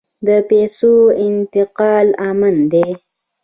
د پیسو انتقال امن دی؟